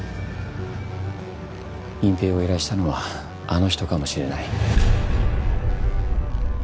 隠蔽を依頼したのはあの人かもしれない。